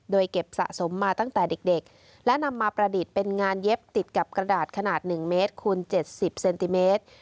โดยเก็บสะสมมาตั้งแต่เด็กและนำมาประดิษฐ์เป็นงานเย็บติดกับกระดาษขนาด๑เมตรคูณ๗๐เซนติเมตร